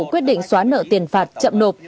quyết định xóa nợ tiền phạt chậm nộp